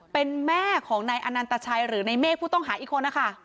เป็นแม่ของนายอนันตชัยหรือในเมฆผู้ต้องหาอีกคนนะคะ